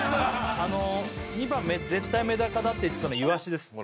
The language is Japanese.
あの２番絶対メダカだって言ってたのイワシですあれ？